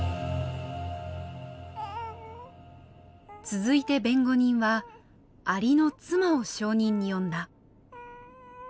続いて弁護人はアリの妻を証人に呼んだ。